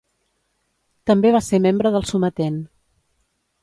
També va ser membre del Sometent.